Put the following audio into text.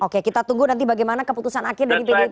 oke kita tunggu nanti bagaimana keputusan akhir dari pdi perjuangan